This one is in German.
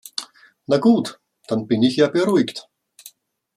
Na gut, dann bin ich ja beruhigt.